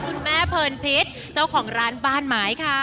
คุณแม่เพลินพิษเจ้าของร้านบ้านหมายค่ะ